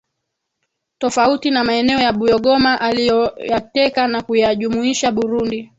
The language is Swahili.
Tofauti na maeneo ya buyogoma aliyoyateka na kuyajumuisha Burundi